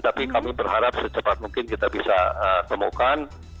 tapi kami berharap secepat mungkin kita bisa temukan